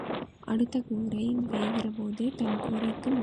அடுத்த கூரை வேகிறபோது தன் கூரைக்கும் மோசம்.